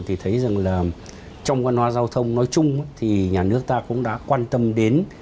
thì thấy rằng là trong văn hóa giao thông nói chung thì nhà nước ta cũng đã quan tâm đến